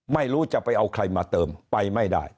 ไม่รู้จะไปเอาใครมาเติมไปไม่ได้